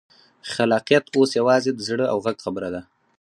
خلاقیت اوس یوازې د زړه او غږ خبره ده.